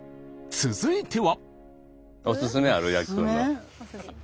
続いては。